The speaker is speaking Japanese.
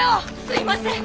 すいません。